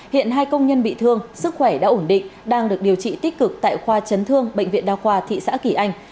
hiện hai công nhân bị thương sức khỏe đã ổn định đang được điều trị tích cực tại khoa chấn thương bệnh viện đa khoa thị xã kỳ anh